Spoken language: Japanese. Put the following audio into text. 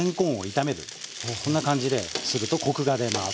こんな感じでするとコクが出ます。